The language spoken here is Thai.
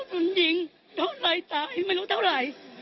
บางครั้งเราก็มีผิดมีถูกใช่ไหม